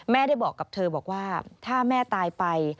ได้บอกกับเธอบอกว่าถ้าแม่ตายไป